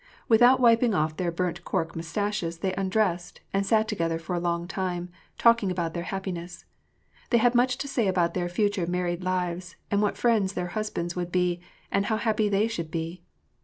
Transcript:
Without wiping off their burnt cork mustaches they undressed, and sat together for a long time, talking about their happiness. They had much to say about their future married lives, and what friends their husbands would be, and how happy they should be.